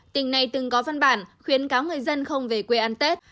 tỉnh này từng có văn bản khuyến cáo người dân không về quê ăn tết